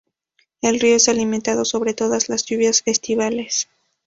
El río es alimentado sobre todo las lluvias estivales.